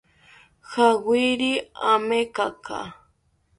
Jawiri amekaka